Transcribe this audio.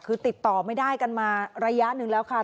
คือติดต่อไม่ได้กันมาระยะหนึ่งแล้วค่ะ